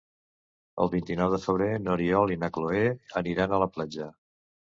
El vint-i-nou de febrer n'Oriol i na Cloè aniran a la platja.